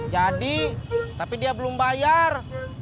jadi tapi dia belum bayar